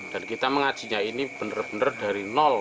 dan kita mengajinya ini benar benar dari nol